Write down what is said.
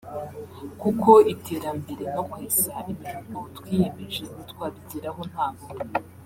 kuko iterambere no kwesa imihigo twiyemeje ntitwabigeraho nta bumwe